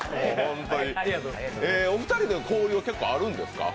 お二人の交流は結構あるんですか？